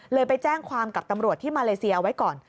ไปแจ้งความกับตำรวจที่มาเลเซียเอาไว้ก่อน